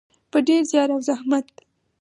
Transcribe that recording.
په ډیر زیار او زحمت.